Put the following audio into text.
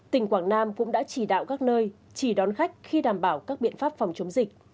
tỉnh quảng nam cũng đã chỉ đạo các nơi chỉ đón khách khi đảm bảo các biện pháp phòng chống dịch